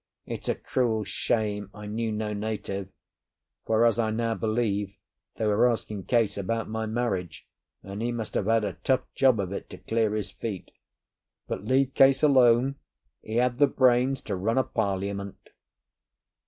It's a cruel shame I knew no native, for (as I now believe) they were asking Case about my marriage, and he must have had a tough job of it to clear his feet. But leave Case alone; he had the brains to run a parliament.